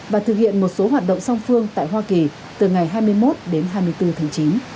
và thực hiện một số hoạt động song phương tại hoa kỳ từ ngày hai mươi một đến hai mươi bốn tháng chín